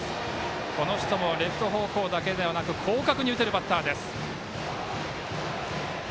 この人もレフト方向だけでなく広角に打てるバッターです。